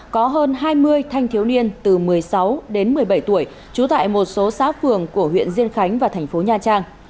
có hơn hai mươi thanh thiếu niên từ một mươi sáu đến một mươi bảy tuổi trú tại một số xã phường của huyện diên khánh và thành phố nha trang